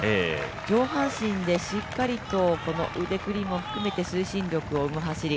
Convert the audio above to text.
上半身でしっかりと腕振りも含めて推進力を生む走り。